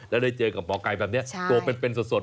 แล้วได้เจอกับหมอไก่แบบนี้ตัวเป็นสด